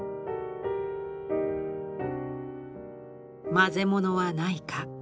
混ぜ物はないか。